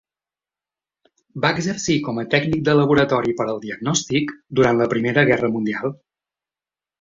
Va exercir com a tècnic de laboratori per al diagnòstic durant la Primera Guerra Mundial.